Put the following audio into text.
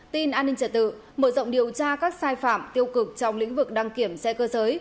tin an ninh trật tự mở rộng điều tra các sai phạm tiêu cực trong lĩnh vực đăng kiểm xe cơ giới